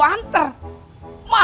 bukan urusan lu